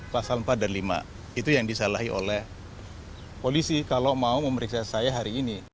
pasal empat dan lima itu yang disalahi oleh polisi kalau mau memeriksa saya hari ini